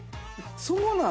そうなの？